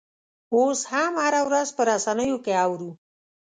اوس هم هره ورځ په رسنیو کې اورو.